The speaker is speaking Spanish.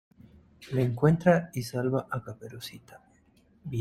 le encuentra y salva a Caperucita.